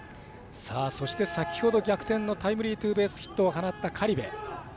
そして、先ほど逆転のタイムリーツーベースヒットを放った、苅部。